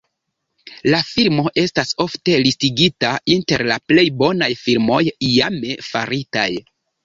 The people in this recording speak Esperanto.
La filmo estas ofte listigita inter la plej bonaj filmoj iame faritaj.